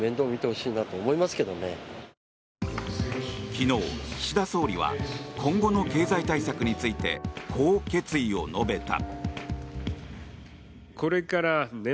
昨日、岸田総理は今後の経済対策についてこう決意を述べた。